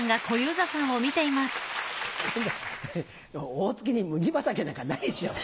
大月に麦畑なんかないでしょ。